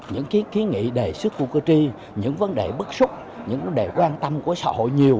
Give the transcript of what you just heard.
những ký nghị đề sức của cơ tri những vấn đề bức xúc những vấn đề quan tâm của xã hội nhiều